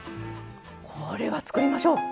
これは作りましょう。